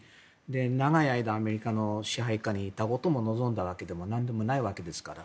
長い間、アメリカの支配下にいたことも望んだわけでもないわけですから。